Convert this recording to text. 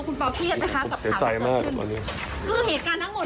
คุณปอล์อยากจะมีอะไรพูดแบบอธิบายเพิ่มเติมไหมคะคุณปอล์